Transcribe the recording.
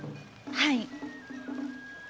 はい。